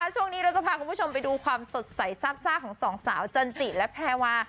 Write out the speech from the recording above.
ช่วงนี้เราจะพาคุณผู้ชมไปดูความสดใสซาบซ่าของสองสาวจันจิและแพรวา